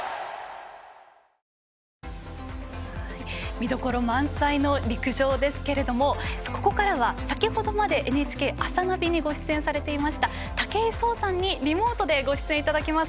見どころ満載の陸上ですけれどもここからは先ほどまでＮＨＫの「あさナビ」にご出演いただいていた武井壮さんにリモートでご出演していただきます。